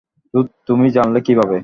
তো তুমি জানলে কীভাবে?